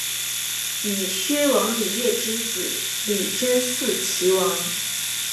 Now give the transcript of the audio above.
以薛王李业之子李珍嗣岐王。